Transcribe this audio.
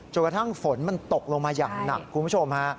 กระทั่งฝนมันตกลงมาอย่างหนักคุณผู้ชมฮะ